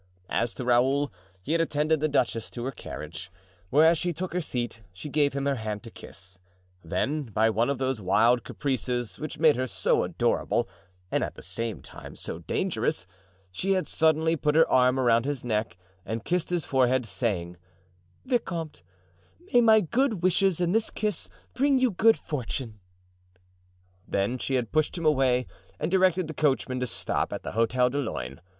As to Raoul, he had attended the duchess to her carriage, where, as she took her seat, she gave him her hand to kiss; then, by one of those wild caprices which made her so adorable and at the same time so dangerous, she had suddenly put her arm around his neck and kissed his forehead, saying: "Vicomte, may my good wishes and this kiss bring you good fortune!" Then she had pushed him away and directed the coachman to stop at the Hotel de Luynes.